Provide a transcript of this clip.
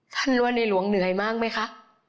ท่านว่าในหลวงเหนื่อยมากไหมคะ